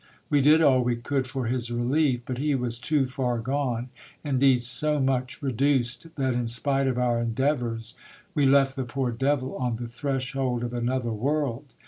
We did all we could for his relief, but he was too far gone ; indeed so much re duced, that, in spite of our endeavours, we left the poor devil on the threshold of another world.